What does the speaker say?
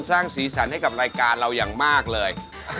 สร้างสีสันให้กับรายการเราอย่างมากเลย